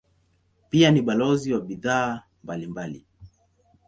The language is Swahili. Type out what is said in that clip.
Pia ni balozi wa bidhaa mbalimbali.